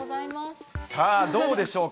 さあ、どうでしょうか。